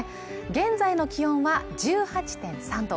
現在の気温は１８．３度